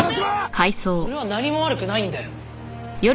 俺は何も悪くないんだよ。